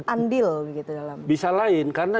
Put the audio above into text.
andil bisa lain karena